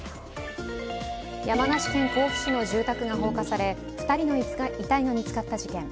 山梨県甲府市の住宅が放火され２人の遺体が見つかった事件。